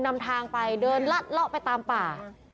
นำทางไปเดินลัดเลาะไปตามป่า